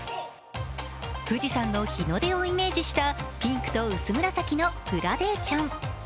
富士山の日の出をイメージしたピンクと薄紫のグラデーション。